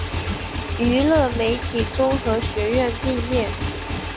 娱乐媒体综合学院毕业。